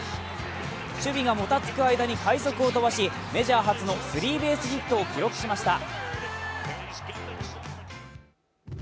守備がもたつく間に快足を飛ばしメジャー初のスリーベースヒットを記録しました。